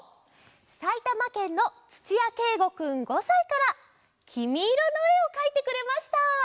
さいたまけんのつちやけいごくん５さいから「きみイロ」のえをかいてくれました。